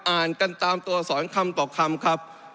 อ่านกันตามตัวสอนคำต่อคำครับ